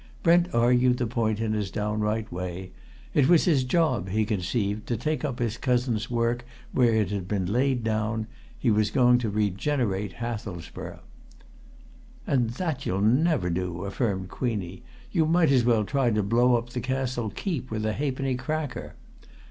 Brent argued the point in his downright way: it was his job, he conceived, to take up his cousin's work where it had been laid down; he was going to regenerate Hathelsborough. "And that you'll never do!" affirmed Queenie. "You might as well try to blow up the Castle keep with a halfpenny cracker!